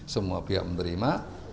semua pihak menerima